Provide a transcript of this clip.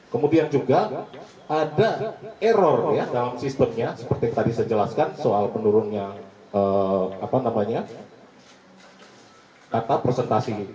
kemudian juga ada error dalam sistemnya seperti tadi saya jelaskan soal penurunnya kata presentasi